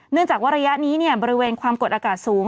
เนื่องจากว่าระยะนี้บริเวณความกดอากาศสูง